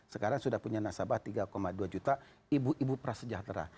sekarang sudah punya nasabah tiga dua juta ibu ibu prasejahtera